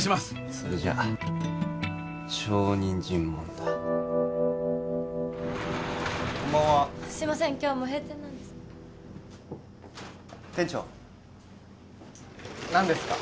それじゃ証人尋問だこんばんは今日はもう閉店なんです店長何ですか？